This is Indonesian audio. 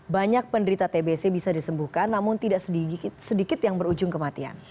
banyak penderita tbc bisa disembuhkan namun tidak sedikit yang berujung kematian